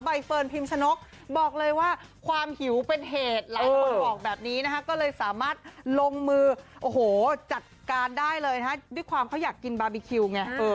เฟิร์นพิมชนกบอกเลยว่าความหิวเป็นเหตุหลายคนบอกแบบนี้นะคะก็เลยสามารถลงมือโอ้โหจัดการได้เลยนะฮะด้วยความเขาอยากกินบาร์บีคิวไง